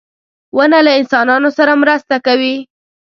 • ونه له انسانانو سره مرسته کوي.